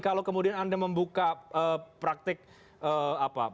kalau kemudian anda membuka praktik apa